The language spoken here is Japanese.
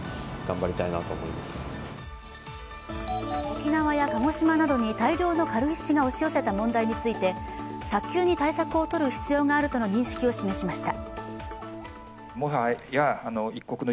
沖縄や鹿児島などに大量の軽石が押し寄せた問題について早急に対策を取るとの認識を示しました。